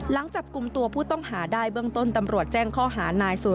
หลังจับกลุ่มตัวผู้ต้องหาได้เบื้องต้นตำรวจแจ้งข้อหานายสู่